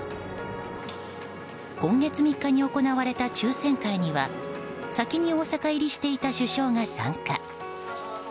今月３日に行われた抽選会には先に大阪入りしていた主将が参加。